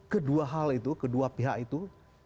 kedua hal itu kedua pihak itu